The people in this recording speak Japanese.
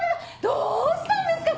どうしたんですか？